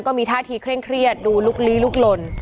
ก็มีท่าทีเคร่งเครียดดูลุกลี้ลุกลน